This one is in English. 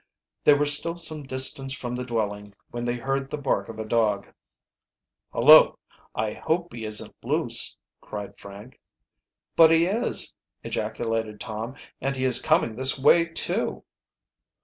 They were still some distance from the dwelling when they heard the bark of a dog. "Hullo! I hope he isn't loose," cried Frank. "But he is," ejaculated Tom; "and he is coming this way too!"